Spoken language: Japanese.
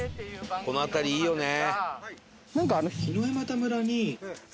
この辺りいいよね。